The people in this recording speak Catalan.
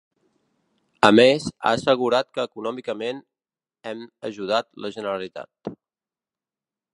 A més, ha assegurat que econòmicament ‘hem ajudat la Generalitat’.